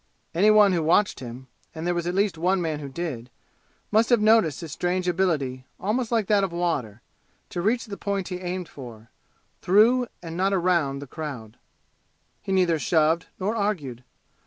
Any one who watched him and there was at least one man who did must have noticed his strange ability, almost like that of water, to reach the point he aimed for, through, and not around, the crowd. He neither shoved nor argued.